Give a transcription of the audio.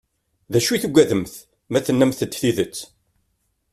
D acu i tugademt ma tennamt-d tidet?